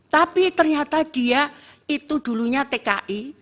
tapi ternyata dia itu dulunya tki